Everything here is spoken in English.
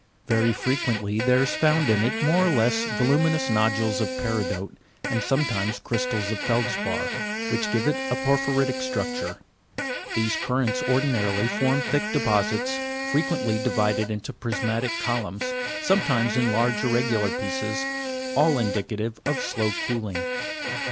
Very frequently there is found in it more or less voluminous nodules of peridote, and sometimes crystals of feldspar, which give it a por phyritic structure. These currents ordinarily form thick deposits, frequently divided into prismatic columns, sometimes in large irregular pieces, all indicative of slow cooling.